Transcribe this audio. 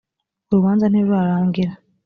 urubanza ntirurarangira.